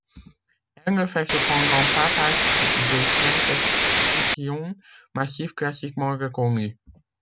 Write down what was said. Elle ne fait cependant pas partie des cinq extinctions massives classiquement reconnues.